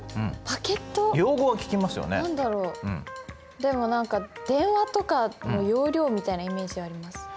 でも何か電話とかの容量みたいなイメージあります。